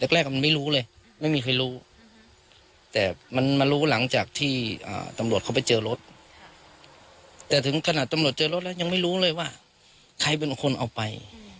แรกมันไม่รู้เลยไม่มีใครรู้แต่มันมารู้หลังจากที่ตำรวจเขาไปเจอรถแต่ถึงขนาดตำรวจเจอรถแล้วยังไม่รู้เลยว่าใครเป็นคนเอาไป